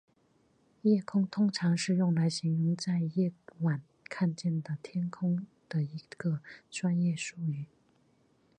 夜空通常是用来形容在夜晚看见的天空的一个专用术语。